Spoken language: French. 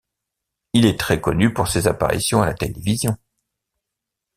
Il est très connu pour ses apparitions à la télévision.